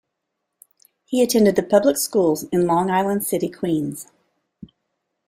He attended the public schools in Long Island City, Queens.